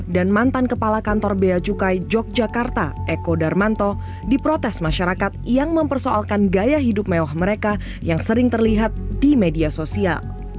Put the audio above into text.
dan mantan kepala kantor beacukai yogyakarta eko darmanto diprotes masyarakat yang mempersoalkan gaya hidup mewah mereka yang sering terlihat di media sosial